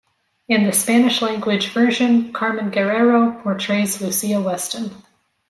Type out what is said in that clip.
In the Spanish-language version, Carmen Guerrero portrays Lucia Weston.